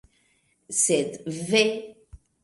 Sed, ve!